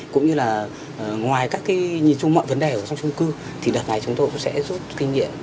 cũng như là ngoài các cái nhìn chung mọi vấn đề ở trong trung cư thì đợt này chúng tôi cũng sẽ rút kinh nghiệm